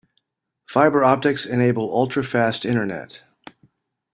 Fibre optics enable ultra-fast internet.